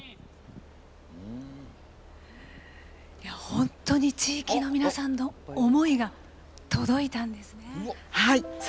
本当に地域の皆さんの思いが届いたんですね。